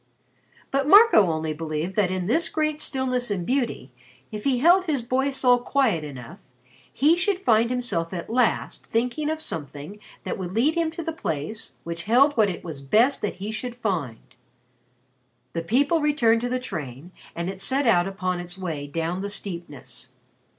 But Marco only believed that in this great stillness and beauty, if he held his boy soul quiet enough, he should find himself at last thinking of something that would lead him to the place which held what it was best that he should find. The people returned to the train and it set out upon its way down the steepness.